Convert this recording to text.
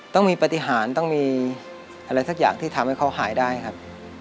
ต้องมีปฏิหารต้องมีอะไรสักอย่างที่ทำให้เขาหายได้ครับ